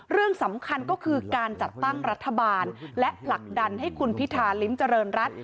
เรื่องสำคัญก็คือการจัดตั้งรัฐบาลและผลักดันให้คุณพิธาลิ้มเจริญรัฐ